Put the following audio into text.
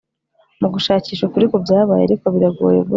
mu gushakisha ukuri ku byabaye, ariko biragoye guca